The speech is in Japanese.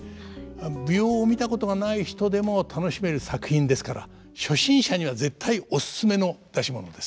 舞踊を見たことがない人でも楽しめる作品ですから初心者には絶対おすすめの出し物です。